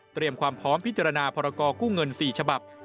ความพร้อมพิจารณาพรกรกู้เงิน๔ฉบับ